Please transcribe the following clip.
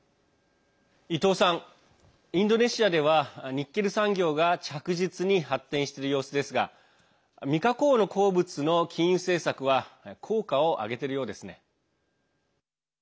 伊藤さん、インドネシアではニッケル産業が着実に発展している様子ですが未加工の鉱物の禁輸政策は効果を挙げているようですね。